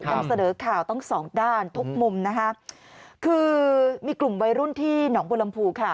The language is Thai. นำเสนอข่าวทั้งสองด้านทุกมุมนะคะคือมีกลุ่มวัยรุ่นที่หนองบัวลำพูค่ะ